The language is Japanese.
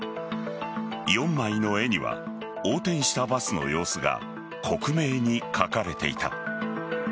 ４枚の絵には横転したバスの様子が克明に描かれていた。